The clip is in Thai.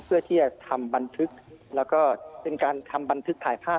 เพื่อที่จะทำบันทึกแล้วก็เป็นการทำบันทึกถ่ายภาพ